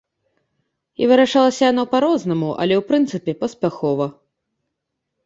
І вырашалася яна па-рознаму, але ў прынцыпе паспяхова.